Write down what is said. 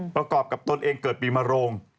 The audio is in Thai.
ประกอบกับตนเองเกิดปีมโรง